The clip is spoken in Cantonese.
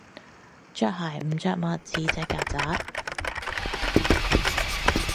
著鞋唔著襪似隻曱甴